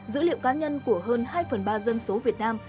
dữ liệu cá nhân của hơn hai phần ba dân số việt nam